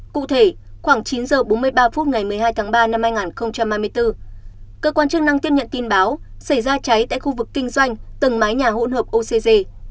cụ thể khoảng chín h bốn mươi ba phút ngày một mươi hai tháng ba năm hai nghìn hai mươi bốn cơ quan chức năng tiếp nhận tin báo xảy ra cháy tại khu vực kinh doanh tầng mái nhà hỗn hợp ocg